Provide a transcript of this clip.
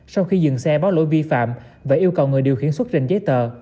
sau khi dừng xe báo lỗi vi phạm và yêu cầu người điều khiển xuất trình giấy tờ